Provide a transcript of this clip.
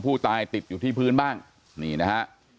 ผู้ตายติดอยู่ที่พื้นบ้างนี่นะฮะ